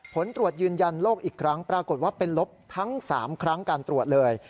ผลตรวจยืนยันโรคอีกครั้งปรากฏว่าเป็นลบทั้ง๓ครั้งการตรวจเลย